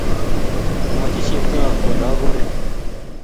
Mwochi Cheptoo kole agure